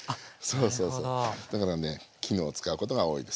そうそうそうだからね絹を使うことが多いですね。